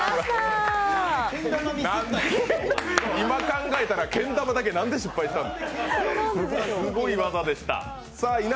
今、考えたら、けん玉だけ何で失敗したんですか、すごい技でした。